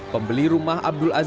pembeli rumah abdul aziz